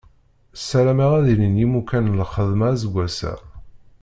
Ssarameɣ ad ilin yimukan n lxedma aseggas-a.